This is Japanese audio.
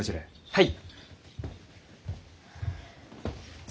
はい。